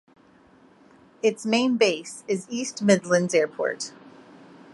Its main base is East Midlands Airport.